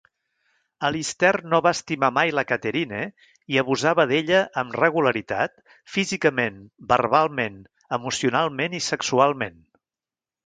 Alistair no va estimar mai la Katherine i abusava d'ella amb regularitat físicament, verbalment, emocionalment i sexualment.